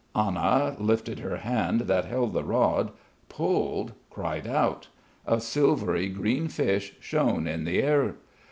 Anna lifted her hand that held the rod pulled, cried out. A silvery green fish shone in the air.